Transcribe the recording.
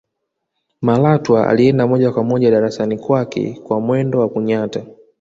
malatwa alienda moja kwa moja darasani kwake kwa mwendo wa kunyata